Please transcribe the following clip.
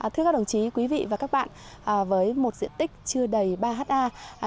thưa các đồng chí quý vị và các bạn với một diện tích chưa đầy ba ha